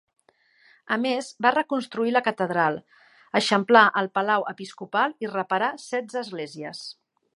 A més, va reconstruir la catedral, eixamplar el palau episcopal i reparar setze esglésies.